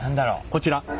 こちら。